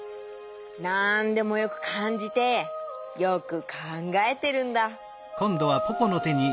なんでもよくかんじてよくかんがえてるんだ。